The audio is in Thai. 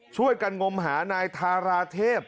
ช่วยกันงมหานายทาราเทพ